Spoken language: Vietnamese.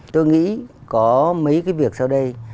tôi nghĩ có mấy cái việc sau đây